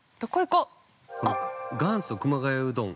◆元祖熊谷うどん